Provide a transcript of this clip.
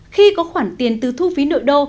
khi có khoản tiền từ thu phí nội đô